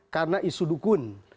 karena isu dukun